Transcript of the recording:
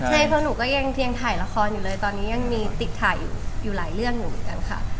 ใช่เพราะหนูก็ยังถ่ายละครอยู่เลยตอนนี้ยังมีติดถ่ายอยู่หลายเรื่องอยู่เหมือนกันค่ะ